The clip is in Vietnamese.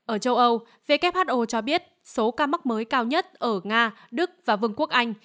ở châu âu who cho biết số ca mắc mới cao nhất ở nga đức và vương quốc anh